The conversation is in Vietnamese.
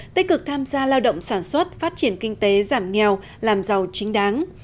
tích cực tham gia lao động sản xuất phát triển kinh tế giảm nghèo làm giàu chính đáng